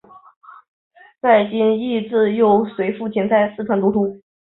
蹇念益自幼随父亲在四川念书。